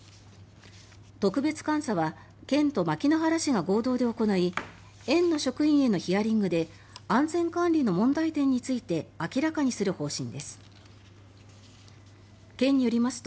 特別監査は県と牧之原市が合同で行い園の職員へのヒアリングで安全管理の問題点について明らかにする方針です。